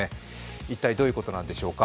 一体どういうことんなんでしょうか。